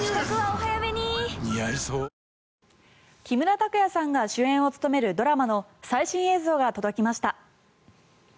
木村拓哉さんが主演を務めるドラマの最新映像が届きました。